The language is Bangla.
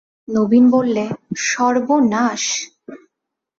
নবীন বললে, সর্বনাশ!